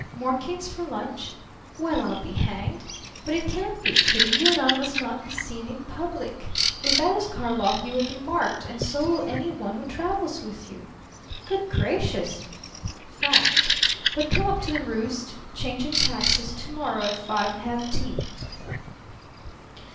"Mouquin's for lunch?" "Well, I'll be hanged! But it can't be, Kitty. You and I must not be seen in public. If that was Karlov you will be marked, and so will any one who travels with you." "Good gracious!" "Fact. But come up to the roost changing taxis to morrow at five and have tea."